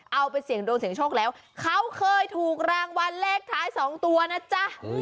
เอาไปเสี่ยงโดนเสียงโชคแล้วเขาเคยถูกรางวัลเลขท้ายสองตัวนะจ๊ะ